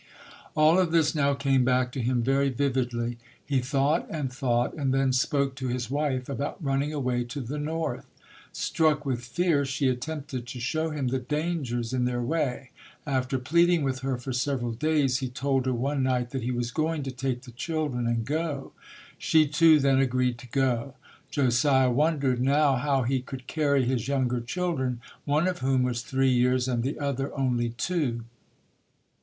All of this now came back to him very vividly. He thought and thought, and then spoke to his wife about running away to the North. Struck with fear, she attempted to show him the dangers in their way. After pleading with her for several days, he told her one night that he was going to take the children and go. She, too, then agreed to go. Josiah wondered now how he could carry his younger children one of whom was three years and the other only two.